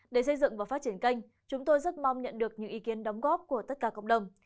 để xây dựng và phát triển kênh chúng tôi rất mong nhận được những ý kiến đóng góp của tất cả cộng đồng